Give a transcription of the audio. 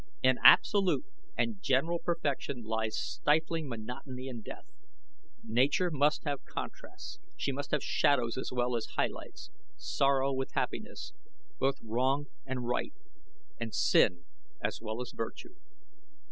In absolute and general perfection lies stifling monotony and death. Nature must have contrasts; she must have shadows as well as highlights; sorrow with happiness; both wrong and right; and sin as well as virtue."